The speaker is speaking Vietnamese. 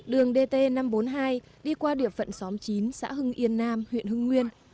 đường dt năm trăm bốn mươi hai đi qua địa phận xóm chín xã hưng yên nam huyện hưng nguyên